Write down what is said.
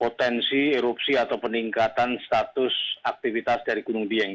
potensi erupsi atau peningkatan status aktivitas dari gunung dieng